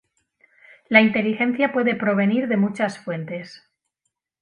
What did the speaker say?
La inteligencia puede provenir de muchas fuentes.